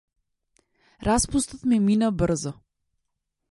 Распустот ми мина брзо.